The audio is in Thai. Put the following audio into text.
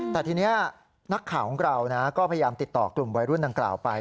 แต่ทีนี้นักข่าวของเราก็พยายามติดต่อกลุ่มวัยรุ่นดังกล่าวไป